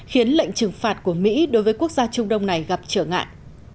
khiến lệnh trừng phạt của mỹ đối với quốc gia trung đông này gặp trở ngại